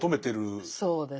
そうですね。